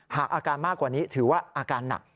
หากอาการมากกว่านี้ถือว่าอาการหนัก